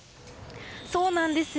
そうなんですよ。